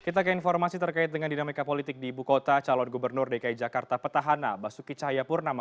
kita ke informasi terkait dengan dinamika politik di ibu kota calon gubernur dki jakarta petahana basuki cahayapurnama